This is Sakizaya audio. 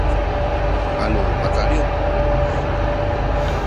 anu macaliw tu isu